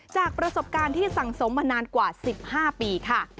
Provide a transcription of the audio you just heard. จากประสบการณ์ที่สังสมมานานกว่า๑๕ปีค่ะ